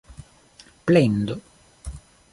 plendo